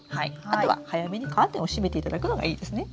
あとは早めにカーテンを閉めていただくのがいいですね。